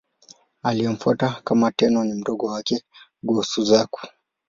Aliyemfuata kama Tenno ni mdogo wake, Go-Suzaku.